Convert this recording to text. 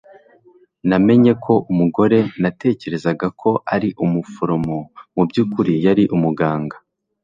namenye ko umugore natekerezaga ko ari umuforomo mubyukuri yari umuganga